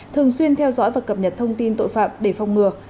thường xuyên theo dõi và cập nhật thông tin tội phạm để phòng ngừa